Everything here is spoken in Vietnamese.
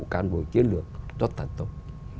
cán bộ chiến lược cho tận tốt